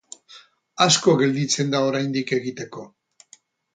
Asko gelditzen da oraindik egiteko.